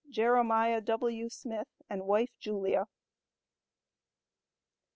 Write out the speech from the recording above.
JEREMIAH W. SMITH AND WIFE JULIA.